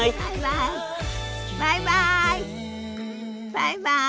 バイバイ！